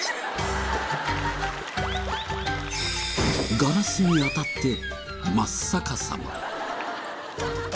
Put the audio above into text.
ガラスに当たって真っ逆さま。